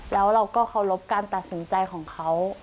แล้วเราก็เคารพการตัดสินใจของเขา